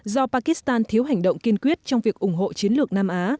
do pakistan thiếu hành động kiên quyết trong việc ủng hộ chiến lược nam á